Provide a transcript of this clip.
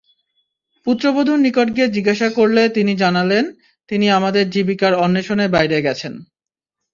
পুত্রবধুর নিকট গিয়ে জিজ্ঞেস করলে তিনি জানালেন, তিনি আমাদের জীবিকার অন্বেষণে বাইরে গেছেন।